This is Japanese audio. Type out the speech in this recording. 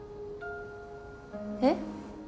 えっ？